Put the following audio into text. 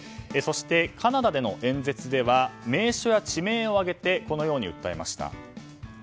そしてカナダでの演説では名所や地名を挙げてこのように訴えました。